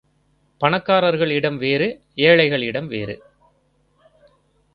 பணக்காரர்கள் இடம் வேறு, ஏழைகள் இடம் வேறு.